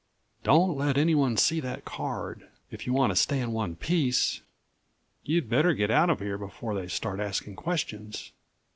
"Don't let anyone see that card if you want to stay in one piece. You'd better get out of here before they start asking questions.